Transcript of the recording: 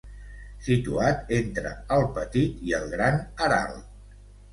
Situat entre el Petit i el Gran Aral.